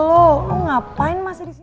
lu ngapain masih disini